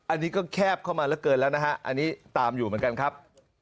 อันนี้ก็แคบเข้ามาเหลือเกินแล้วนะฮะอันนี้ตามอยู่เหมือนกันครับ